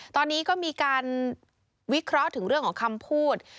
ตอนนี้ก็มีการวิเคราะห์ถึงเรื่องของคำพูด